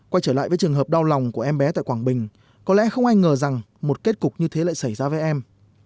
quay trở lại với trường hợp đau lòng của em bé tại quảng bình có lẽ không ai ngờ rằng một kết cục như thế lại xảy ra với em